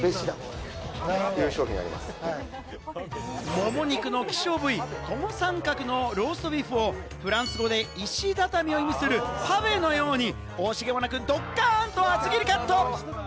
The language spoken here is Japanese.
もも肉の希少部位・トモサンカクのローストビーフを、フランス語で石畳を意味するパヴェのように惜しげもなく、どかんと厚切りカット。